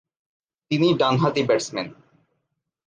তিনি ডানহাতি ব্যাটসম্যান।